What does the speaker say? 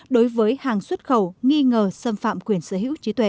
đối với hàng xuất khẩu nghi ngờ xâm phạm quyền sở hữu trí tuệ